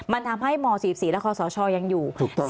มันทำให้ม๔๔และคอสชยังอยู่